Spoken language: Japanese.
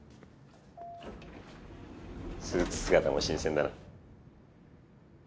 スーツ姿も新鮮だな。